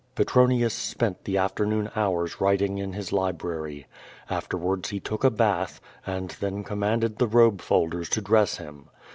Petronius spent the afternoon hours writing in his library. Afterwards he took a bath, and then commanded the robe folders to dress him.